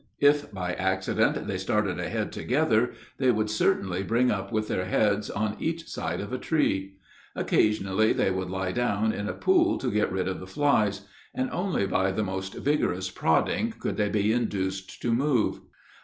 If by accident they started ahead together, they would certainly bring up with their heads on each side of a tree. Occasionally they would lie down in a pool to get rid of the flies, and only by the most vigorous prodding could they be induced to move.